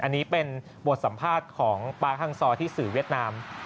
อันนี้เป็นบทสัมภาษณ์ของปาร์คฮังซอที่สื่อเวียดนาม